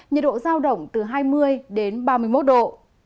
nhiệt độ giao động từ hai mươi đến ba mươi một độ